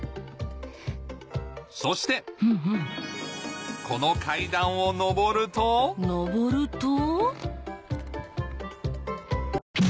そしてうんうんこの階段を上ると上ると？